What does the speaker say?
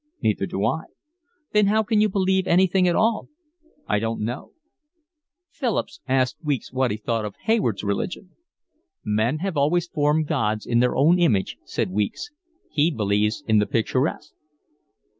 "Neither do I." "Then how can you believe anything at all?" "I don't know." Philip asked Weeks what he thought of Hayward's religion. "Men have always formed gods in their own image," said Weeks. "He believes in the picturesque."